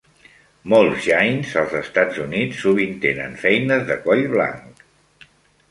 Molts jains als estats units sovint tenen feines de coll blanc.